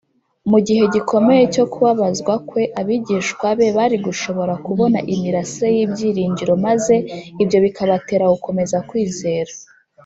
mu gihe gikomeye cyo kubabazwa kwe, abigishwa be bari gushobora kubona imirasire y’ibyiringiro maze ibyo bikabatera gukomeza kwizera